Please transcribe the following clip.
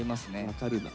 分かるな。